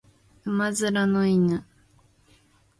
馬面の犬